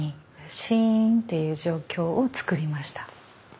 シーンっていう状況をつくりました。